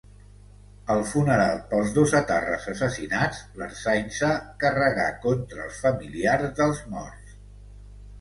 Al funeral pels dos etarres assassinats, l'Ertzaintza carregà contra els familiars dels morts.